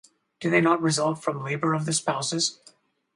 Do they not result from labor of the spouses?